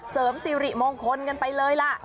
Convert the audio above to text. เสริมสิริมงคลกันไปเลยล่ะ